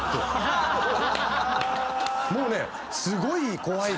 もうねすごい怖い。